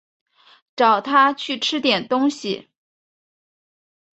找她去吃点东西